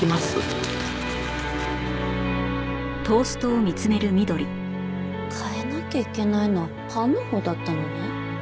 変えなきゃいけないのはパンのほうだったのね。